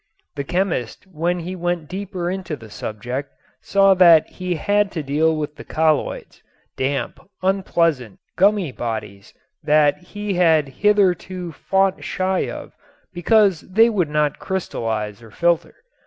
The chemist when he went deeper into the subject saw that he had to deal with the colloids, damp, unpleasant, gummy bodies that he had hitherto fought shy of because they would not crystallize or filter.